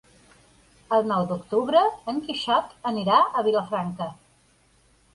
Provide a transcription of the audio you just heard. El nou d'octubre en Quixot anirà a Vilafranca.